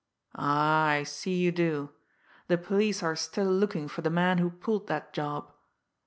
_ Ah, I see you do! The police are still looking for the man who pulled that job.